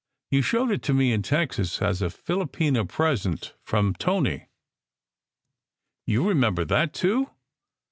"You showed it to me in Texas as a filopena present from Tony." "You remember that, too?